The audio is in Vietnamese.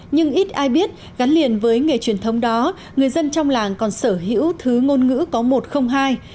nhưng ít ai biết gắn liền với nghề truyền thống đó người dân trong làng còn sở hữu thứ ngôn ngữ có một không hai